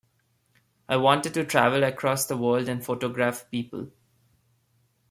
I wanted to travel across the world and photograph people.